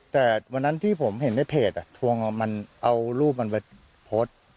แต่วันนั้นที่ผมเห็นในเพจทวงมันเอารูปมันไปโพสต์